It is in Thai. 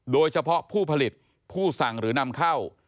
โดยเฉพาะผู้ผลิตผู้สั่งหรือนำเข้า